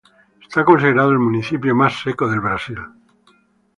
Es considerado el municipio más seco del Brasil.